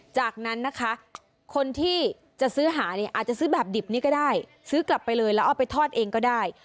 จากนั้นนะคะคนที่จะซื้อหาเนี่ยอาจจะซื้อแบบดิบนี้ก็ได้ซื้อกลับไปเลยแล้วเอาไปทอดเองก็ได้